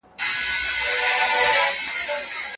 تاسو د مېوو د ساتلو لپاره له پلاستیکي کڅوړو ګټه مه اخلئ.